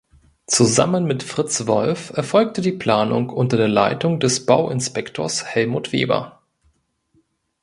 Zusammen mit Fritz Wolff erfolgte die Planung unter der Leitung des Bauinspektors Helmut Weber.